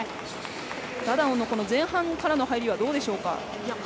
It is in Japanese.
ダダオンの前半からの入りはどうでしょうか。